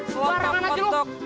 lu yang kotok